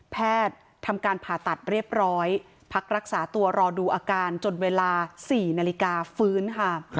ทำการผ่าตัดเรียบร้อยพักรักษาตัวรอดูอาการจนเวลา๔นาฬิกาฟื้นค่ะ